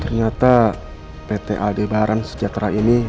ternyata pt aldebaran sejahtera ini